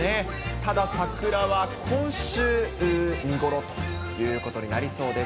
ただ桜は今週見頃ということになりそうです。